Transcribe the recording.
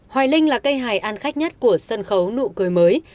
hoài linh là cây hài ăn khách nhất của sân khấu nụ cười mới